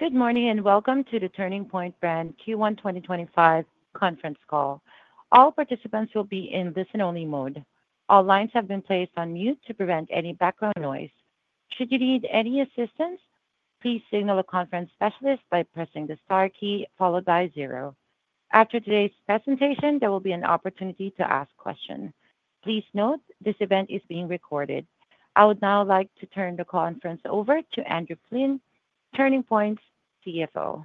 Good morning and welcome to the Turning Point Brands Q1 2025 conference call. All participants will be in listen-only mode. All lines have been placed on mute to prevent any background noise. Should you need any assistance, please signal a conference specialist by pressing the star key followed by zero. After today's presentation, there will be an opportunity to ask questions. Please note this event is being recorded. I would now like to turn the conference over to Andrew Flynn, Turning Point's CFO.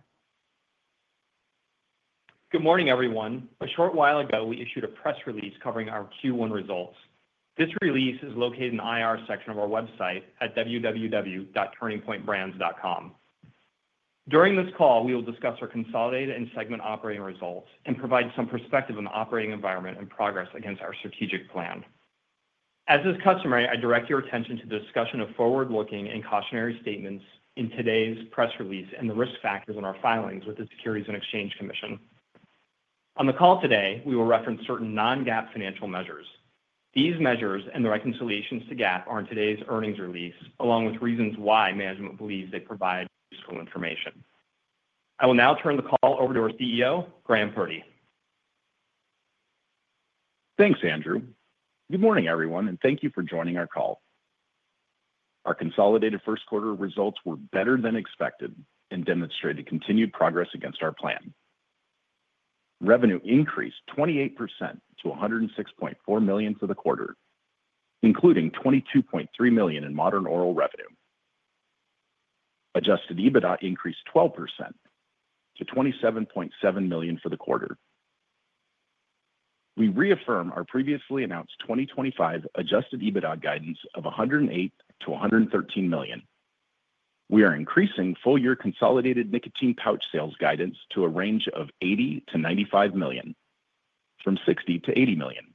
Good morning, everyone. A short while ago, we issued a press release covering our Q1 results. This release is located in the IR section of our website at www.turningpointbrands.com. During this call, we will discuss our consolidated and segment operating results and provide some perspective on the operating environment and progress against our strategic plan. As is customary, I direct your attention to the discussion of forward-looking and cautionary statements in today's press release and the risk factors in our filings with the Securities and Exchange Commission. On the call today, we will reference certain non-GAAP financial measures. These measures and the reconciliations to GAAP are in today's earnings release, along with reasons why management believes they provide useful information. I will now turn the call over to our CEO, Graham Purdy. Thanks, Andrew. Good morning, everyone, and thank you for joining our call. Our consolidated first quarter results were better than expected and demonstrated continued progress against our plan. Revenue increased 28% to $106.4 million for the quarter, including $22.3 million in modern oral revenue. Adjusted EBITDA increased 12% to $27.7 million for the quarter. We reaffirm our previously announced 2025 adjusted EBITDA guidance of $108 million-$113 million. We are increasing full-year consolidated nicotine pouch sales guidance to a range of $80 milion-$95 million, from $60 million-$80 million.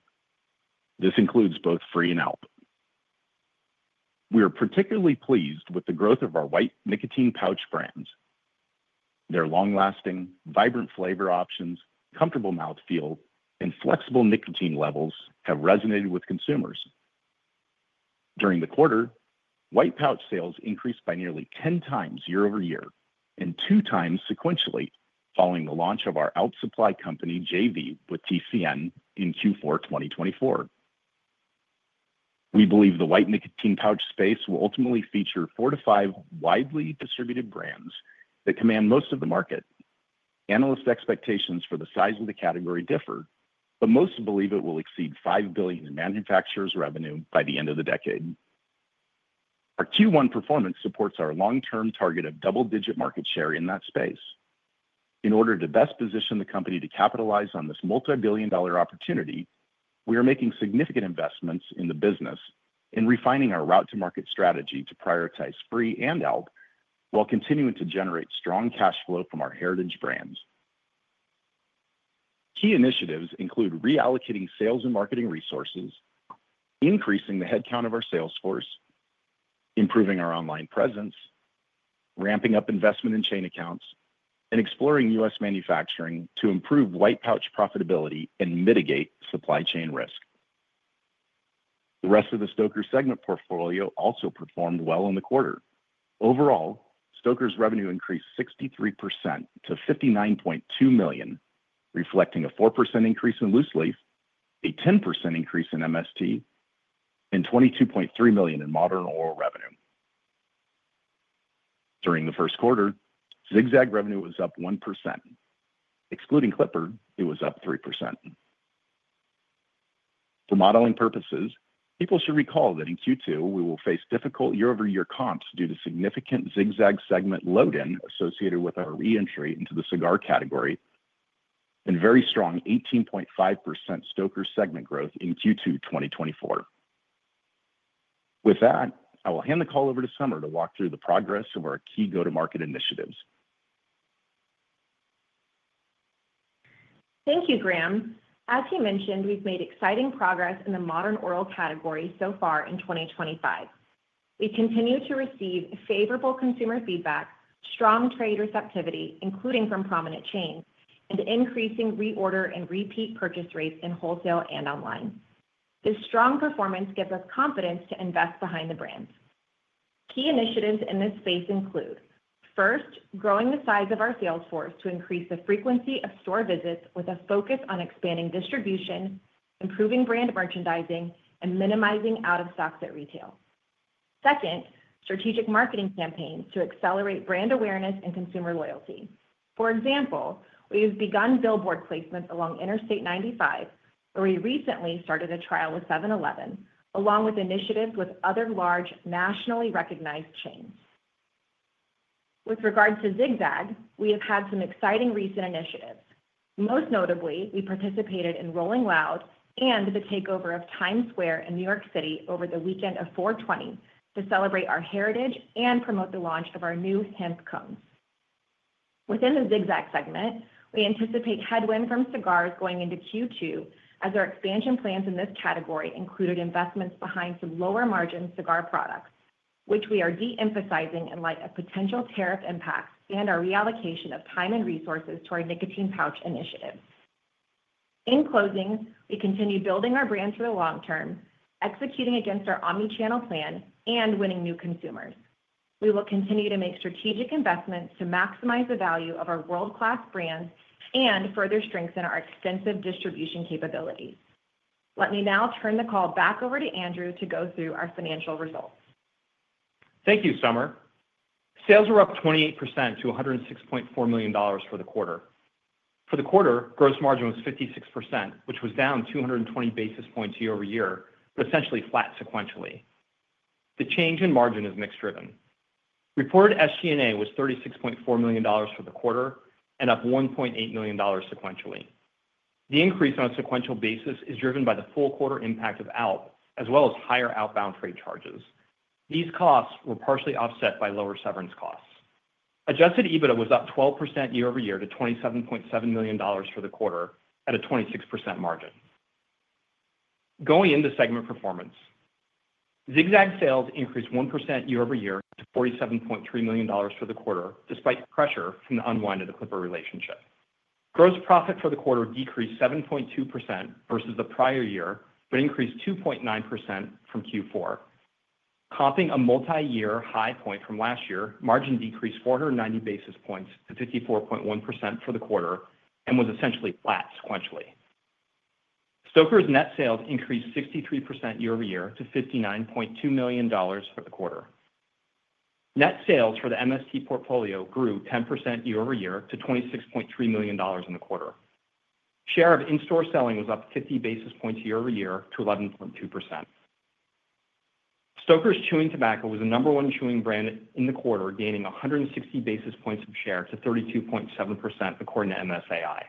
This includes both Free In and Out. We are particularly pleased with the growth of our white nicotine pouch brands. Their long-lasting, vibrant flavor options, comfortable mouthfeel, and flexible nicotine levels have resonated with consumers. During the quarter, white pouch sales increased by nearly 10x year-over-year and 2x sequentially following the launch of our Out supply company JV with TCN in Q4 2024. We believe the white nicotine pouch space will ultimately feature four to five widely distributed brands that command most of the market. Analyst expectations for the size of the category differ, but most believe it will exceed $5 billion in manufacturers' revenue by the end of the decade. Our Q1 performance supports our long-term target of double-digit market share in that space. In order to best position the company to capitalize on this multi-billion dollar opportunity, we are making significant investments in the business and refining our route-to-market strategy to prioritize Free and Out while continuing to generate strong cash flow from our heritage brands. Key initiatives include reallocating sales and marketing resources, increasing the headcount of our sales force, improving our online presence, ramping up investment in chain accounts, and exploring U.S. manufacturing to improve white pouch profitability and mitigate supply chain risk. The rest of the Stoker's segment portfolio also performed well in the quarter. Overall, Stoker's revenue increased 63% to $59.2 million, reflecting a 4% increase in loose leaf, a 10% increase in MST, and $22.3 million in modern oral revenue. During the first quarter, Zig-Zag revenue was up 1%. Excluding Clipper, it was up 3%. For modeling purposes, people should recall that in Q2, we will face difficult year-over-year comps due to significant Zig-Zag segment load-in associated with our re-entry into the cigar category and very strong 18.5% Stoker's segment growth in Q2 2024. With that, I will hand the call over to Summer to walk through the progress of our key go-to-market initiatives. Thank you, Graham. As he mentioned, we've made exciting progress in the modern oral category so far in 2025. We continue to receive favorable consumer feedback, strong trade receptivity, including from prominent chains, and increasing reorder and repeat purchase rates in wholesale and online. This strong performance gives us confidence to invest behind the brands. Key initiatives in this space include: first, growing the size of our sales force to increase the frequency of store visits with a focus on expanding distribution, improving brand merchandising, and minimizing out-of-stocks at retail. Second, strategic marketing campaigns to accelerate brand awareness and consumer loyalty. For example, we have begun billboard placements along Interstate 95, where we recently started a trial with 7-Eleven, along with initiatives with other large nationally recognized chains. With regards to Zig-Zag, we have had some exciting recent initiatives. Most notably, we participated in Rolling Loud and the takeover of Times Square in New York City over the weekend of 4/20 to celebrate our heritage and promote the launch of our new Hands Cones. Within the Zig-Zag segment, we anticipate headwind from cigars going into Q2 as our expansion plans in this category included investments behind some lower-margin cigar products, which we are de-emphasizing in light of potential tariff impacts and our reallocation of time and resources to our nicotine pouch initiative. In closing, we continue building our brand for the long term, executing against our omnichannel plan, and winning new consumers. We will continue to make strategic investments to maximize the value of our world-class brands and further strengthen our extensive distribution capabilities. Let me now turn the call back over to Andrew to go through our financial results. Thank you, Summer. Sales were up 28% to $106.4 million for the quarter. For the quarter, gross margin was 56%, which was down 220 basis points year-over-year, but essentially flat sequentially. The change in margin is mixed-driven. Reported SG&A was $36.4 million for the quarter and up $1.8 million sequentially. The increase on a sequential basis is driven by the full quarter impact of Out, as well as higher outbound freight charges. These costs were partially offset by lower severance costs. Adjusted EBITDA was up 12% year-over-year to $27.7 million for the quarter at a 26% margin. Going into segment performance, Zig-Zag sales increased 1% year-over-year to $47.3 million for the quarter, despite pressure from the unwind of the Clipper relationship. Gross profit for the quarter decreased 7.2% versus the prior year, but increased 2.9% from Q4. Comping a multi-year high point from last year, margin decreased 490 basis points to 54.1% for the quarter and was essentially flat sequentially. Stoker's net sales increased 63% year-over-year to $59.2 million for the quarter. Net sales for the MST portfolio grew 10% year-over-year to $26.3 million in the quarter. Share of in-store selling was up 50 basis points year-over-year to 11.2%. Stoker's Chewing Tobacco was the number one chewing brand in the quarter, gaining 160 basis points of share to 32.7% according to MSAI.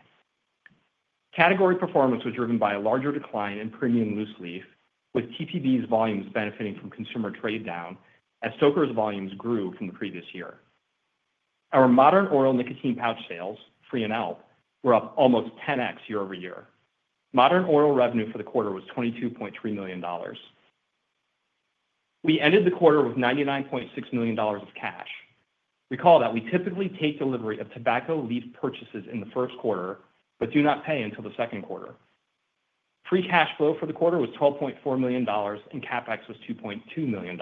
Category performance was driven by a larger decline in premium loose leaf, with TPBs' volumes benefiting from consumer trade down as Stoker's volumes grew from the previous year. Our modern oral nicotine pouch sales, Fre and Out, were up almost 10x year-over-year. Modern oral revenue for the quarter was $22.3 million. We ended the quarter with $99.6 million of cash. Recall that we typically take delivery of tobacco leaf purchases in the first quarter, but do not pay until the second quarter. Free cash flow for the quarter was $12.4 million, and CapEx was $2.2 million.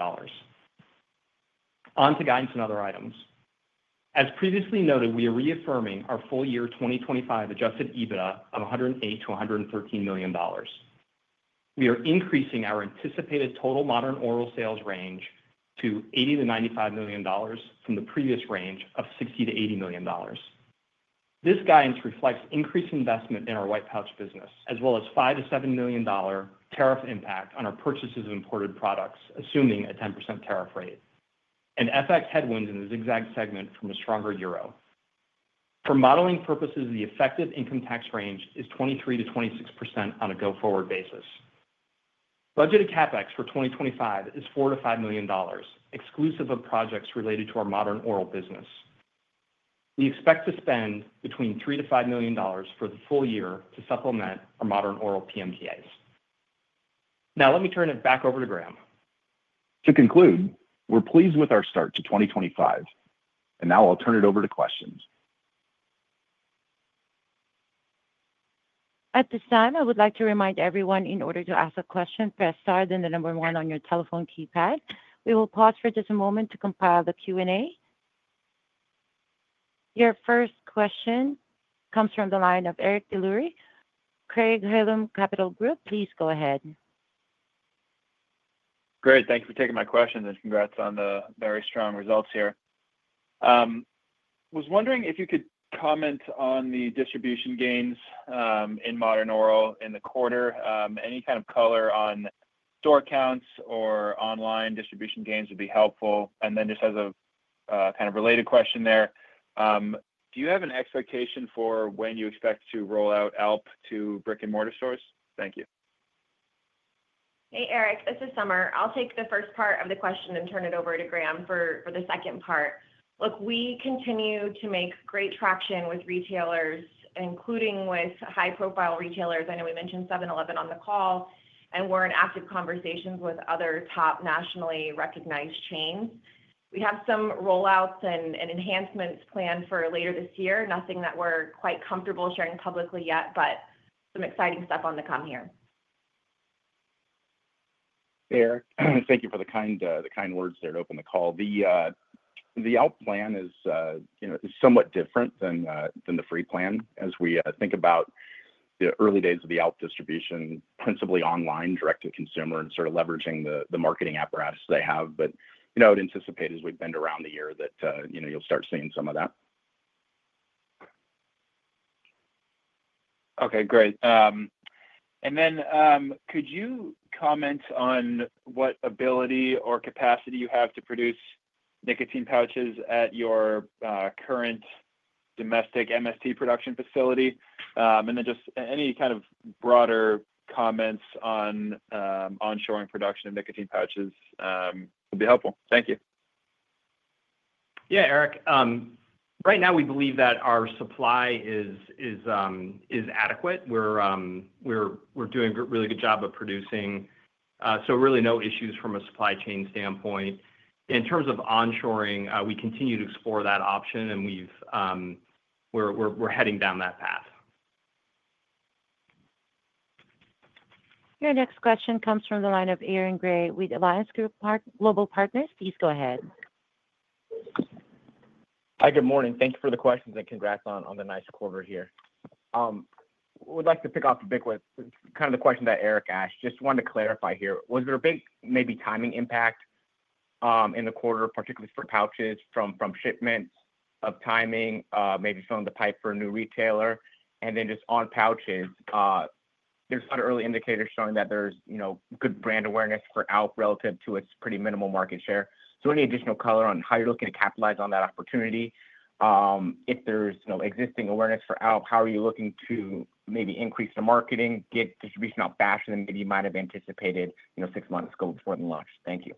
On to guidance and other items. As previously noted, we are reaffirming our full-year 2025 Adjusted EBITDA of $108 million-$113 million. We are increasing our anticipated total modern oral sales range to $80 million-$95 million from the previous range of $60 million-$80 million. This guidance reflects increased investment in our white pouch business, as well as $5 million-$7 million tariff impact on our purchases of imported products, assuming a 10% tariff rate, and FX headwinds in the Zig-Zag segment from a stronger euro. For modeling purposes, the effective income tax range is 23%-26% on a go-forward basis. Budgeted CapEx for 2025 is $4 million-$5 million, exclusive of projects related to our modern oral business. We expect to spend between $3 million-$5 million for the full year to supplement our modern oral PMTAs. Now, let me turn it back over to Graham. To conclude, we're pleased with our start to 2025. Now I'll turn it over to questions. At this time, I would like to remind everyone, in order to ask a question, press star then the number one on your telephone keypad. We will pause for just a moment to compile the Q&A. Your first question comes from the line of Eric Des Lauriers, Craig-Hallum Capital Group, please go ahead. Great. Thank you for taking my question and congrats on the very strong results here. Was wondering if you could comment on the distribution gains in modern oral in the quarter. Any kind of color on store counts or online distribution gains would be helpful. Just as a kind of related question there, do you have an expectation for when you expect to roll out Out to brick-and-mortar stores? Thank you. Hey, Eric. This is Summer. I'll take the first part of the question and turn it over to Graham for the second part. Look, we continue to make great traction with retailers, including with high-profile retailers. I know we mentioned 7-Eleven on the call, and we're in active conversations with other top nationally recognized chains. We have some rollouts and enhancements planned for later this year. Nothing that we're quite comfortable sharing publicly yet, but some exciting stuff on the come here. Eric, thank you for the kind words there to open the call. The Out plan is somewhat different than the Fre plan as we think about the early days of the Out distribution, principally online, direct to consumer, and sort of leveraging the marketing apparatus they have. I would anticipate, as we bend around the year, that you'll start seeing some of that. Okay, great. Could you comment on what ability or capacity you have to produce nicotine pouches at your current domestic MST production facility? Just any kind of broader comments on onshoring production of nicotine pouches would be helpful. Thank you. Yeah, Eric. Right now, we believe that our supply is adequate. We're doing a really good job of producing. So really no issues from a supply chain standpoint. In terms of onshoring, we continue to explore that option, and we're heading down that path. Your next question comes from the line of Aaron Grey with Alliance Global Partners. Please go ahead. Hi, good morning. Thank you for the questions and congrats on the nice quarter here. I would like to pick off a big one, kind of the question that Eric asked. Just wanted to clarify here. Was there a big maybe timing impact in the quarter, particularly for pouches, from shipment of timing, maybe filling the pipe for a new retailer? And then just on pouches, there's other early indicators showing that there's good brand awareness for Out relative to its pretty minimal market share. So any additional color on how you're looking to capitalize on that opportunity? If there's existing awareness for Out, how are you looking to maybe increase the marketing, get distribution out faster than maybe you might have anticipated six months ago before the launch? Thank you.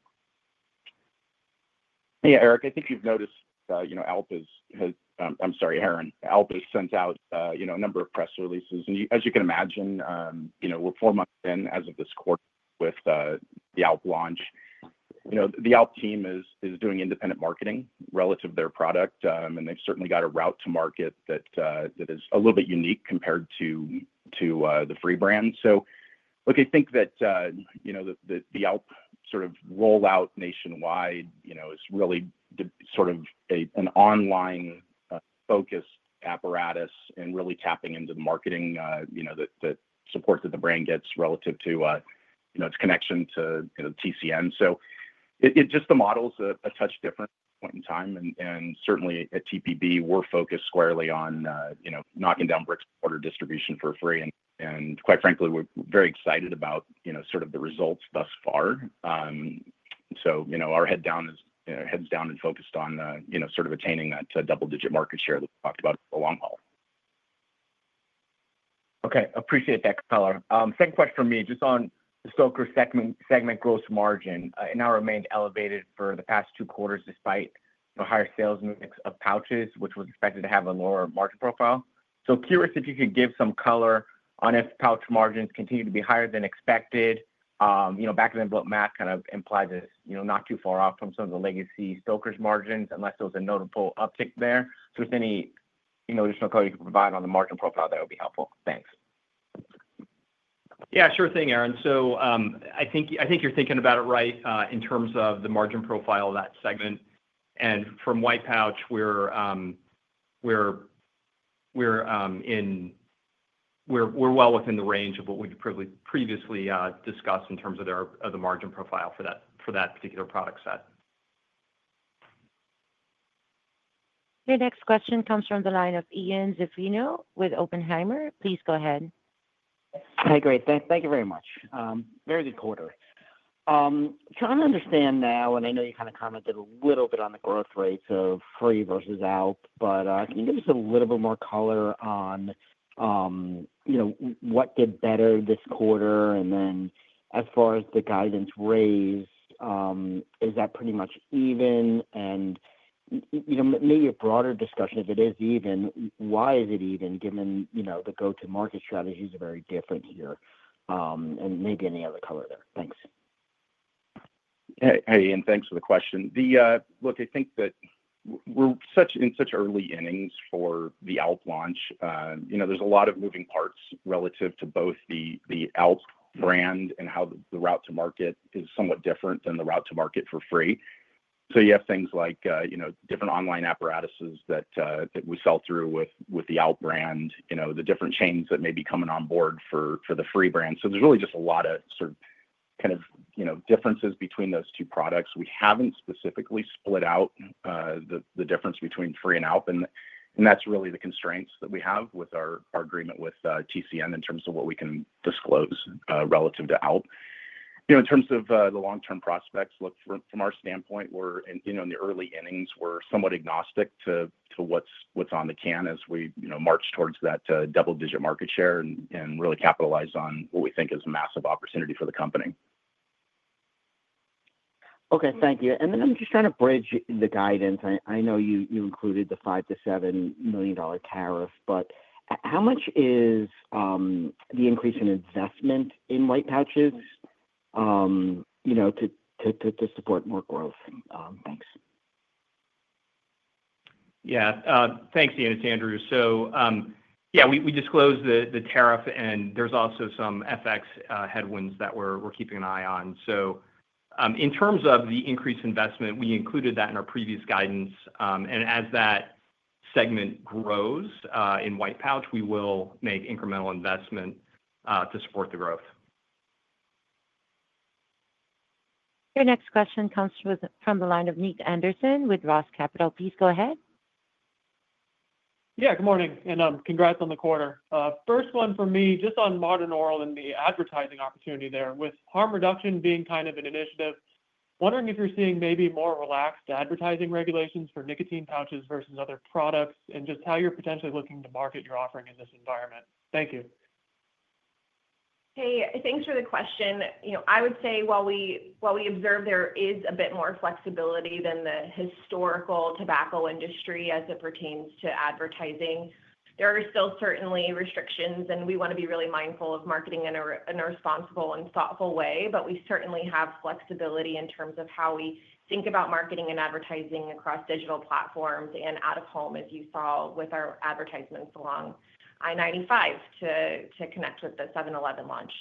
Yeah, Eric, I think you've noticed Out has—I'm sorry, Aaron. Out has sent out a number of press releases. As you can imagine, we're four months in as of this quarter with the Out launch. The Out team is doing independent marketing relative to their product, and they've certainly got a route to market that is a little bit unique compared to the Free brand. I think that the Out sort of rollout nationwide is really sort of an online focus apparatus and really tapping into the marketing that supports that the brand gets relative to its connection to TCN. It just models a touch different point in time. Certainly at TPB, we're focused squarely on knocking down brick-and-mortar distribution for Free. Quite frankly, we're very excited about sort of the results thus far. Our heads down and focused on sort of attaining that double-digit market share that we talked about for the long haul. Okay. Appreciate that color. Same question for me. Just on the Stoker's segment gross margin, it now remained elevated for the past two quarters despite the higher sales mix of pouches, which was expected to have a lower margin profile. Curious if you could give some color on if pouch margins continue to be higher than expected. Back then, book math kind of implies it's not too far off from some of the legacy Stoker's margins, unless there was a notable uptick there. If there's any additional color you can provide on the margin profile, that would be helpful. Thanks. Yeah, sure thing, Aaron. I think you're thinking about it right in terms of the margin profile of that segment. From white pouch, we're well within the range of what we've previously discussed in terms of the margin profile for that particular product set. Your next question comes from the line of Ian Zaffino with Oppenheimer. Please go ahead. Hi, great. Thank you very much. Very good quarter. Trying to understand now, and I know you kind of commented a little bit on the growth rates of Free versus Out, but can you give us a little bit more color on what did better this quarter? As far as the guidance raise, is that pretty much even? Maybe a broader discussion, if it is even, why is it even given the go-to-market strategies are very different here? Maybe any other color there. Thanks. Hey, Ian, thanks for the question. Look, I think that we're in such early innings for the Out launch. There's a lot of moving parts relative to both the Out brand and how the route to market is somewhat different than the route to market for Free. You have things like different online apparatuses that we sell through with the Out brand, the different chains that may be coming on board for the Free brand. There's really just a lot of sort of kind of differences between those two products. We haven't specifically split out the difference between Free In and Out. That's really the constraints that we have with our agreement with TCN in terms of what we can disclose relative to Out. In terms of the long-term prospects, look, from our standpoint, we're in the early innings. We're somewhat agnostic to what's on the can as we march towards that double-digit market share and really capitalize on what we think is a massive opportunity for the company. Okay, thank you. I am just trying to bridge the guidance. I know you included the $5 million-$7 million tariff, but how much is the increase in investment in white pouches to support more growth? Thanks. Yeah. Thanks, Ian, its Andrew. Yeah, we disclosed the tariff, and there are also some FX headwinds that we're keeping an eye on. In terms of the increased investment, we included that in our previous guidance. As that segment grows in white pouch, we will make incremental investment to support the growth. Your next question comes from the line of Nick Anderson with ROTH Capital. Please go ahead. Yeah, good morning. And congrats on the quarter. First one for me, just on modern oral and the advertising opportunity there, with harm reduction being kind of an initiative, wondering if you're seeing maybe more relaxed advertising regulations for nicotine pouches versus other products and just how you're potentially looking to market your offering in this environment. Thank you. Hey, thanks for the question. I would say while we observe there is a bit more flexibility than the historical tobacco industry as it pertains to advertising, there are still certainly restrictions, and we want to be really mindful of marketing in a responsible and thoughtful way. We certainly have flexibility in terms of how we think about marketing and advertising across digital platforms and out of home, as you saw with our advertisements along Interstate 95 to connect with the 7-Eleven launch.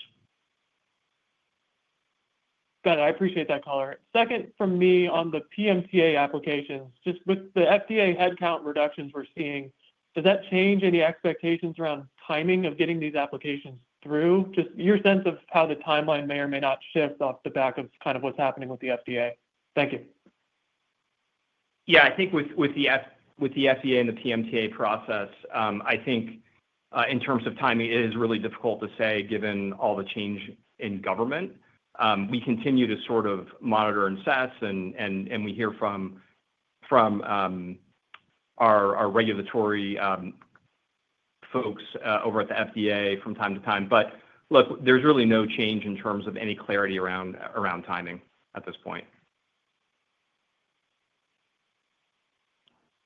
Got it. I appreciate that, Color. Second from me on the PMTA applications. Just with the FDA headcount reductions we're seeing, does that change any expectations around timing of getting these applications through? Just your sense of how the timeline may or may not shift off the back of kind of what's happening with the FDA. Thank you. Yeah, I think with the FDA and the PMTA process, I think in terms of timing, it is really difficult to say given all the change in government. We continue to sort of monitor and assess, and we hear from our regulatory folks over at the FDA from time to time. Look, there's really no change in terms of any clarity around timing at this point.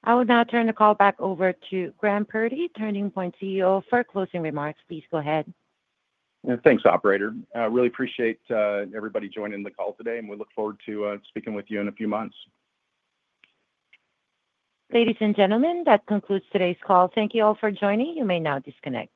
I will now turn the call back over to Graham Purdy, Turning Point CEO, for closing remarks. Please go ahead. Thanks, operator. Really appreciate everybody joining the call today, and we look forward to speaking with you in a few months. Ladies and gentlemen, that concludes today's call. Thank you all for joining. You may now disconnect.